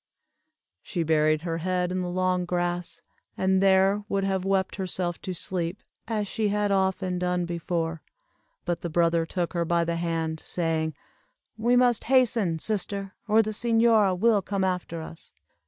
She buried her head in the long grass, and there would have wept herself to sleep, as she had often done before, but the brother took her by the hand, saying, "We must hasten, sister, or the señora will come after us."